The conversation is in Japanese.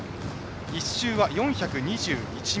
１周は４２１ｍ。